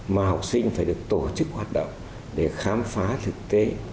mà học sinh phải được tổ chức hoạt động để khám phá thực tế